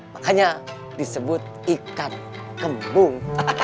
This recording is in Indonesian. makanya disebut ikan kembung